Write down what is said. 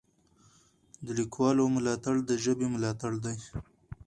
د لیکوالو ملاتړ د ژبې ملاتړ دی.